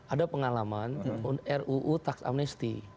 ada pengalaman ruu tax amnesti